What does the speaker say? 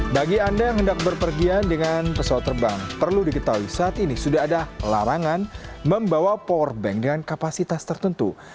bagi anda yang hendak berpergian dengan pesawat terbang perlu diketahui saat ini sudah ada larangan membawa powerbank dengan kapasitas tertentu